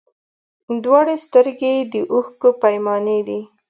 دواړي سترګي یې د اوښکو پیمانې دي